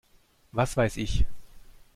Was weiß ich!